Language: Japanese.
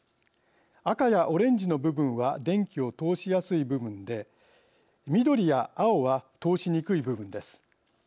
赤やオレンジの部分は電気を通しやすい部分で緑や青は通しにくい部分です。